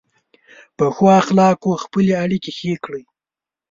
په ښو اخلاقو خپلې اړیکې ښې کړئ.